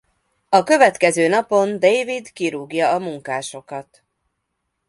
A következő napon David kirúgja a munkásokat.